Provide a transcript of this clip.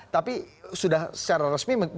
tapi sudah secara resmi